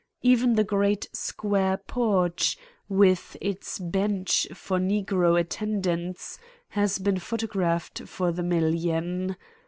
Even the great square porch with its bench for negro attendants has been photographed for the million.